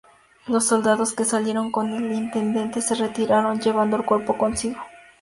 Los soldados que salieron con el intendente se retiraron llevando el cuerpo consigo.